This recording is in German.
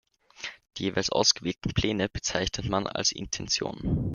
Die jeweils ausgewählten Pläne bezeichnet man als Intentionen.